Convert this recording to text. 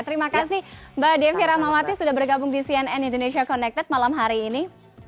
terima kasih mbak devi ramawati sudah bergabung di cnn indonesia connected malam hari ini